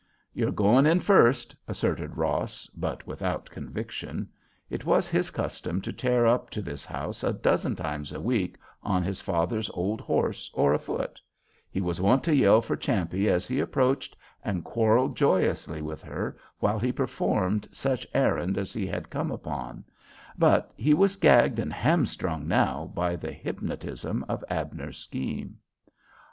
"You're goin' in first," asserted Ross, but without conviction. It was his custom to tear up to this house a dozen times a week, on his father's old horse or afoot; he was wont to yell for Champe as he approached, and quarrel joyously with her while he performed such errand as he had come upon; but he was gagged and hamstrung now by the hypnotism of Abner's scheme.